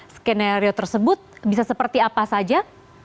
skenario tersebut bisa seperti apa saja